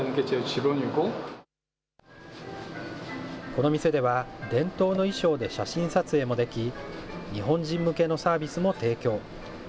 この店では、伝統の衣装で写真撮影もでき、日本人向けのサービスも提供。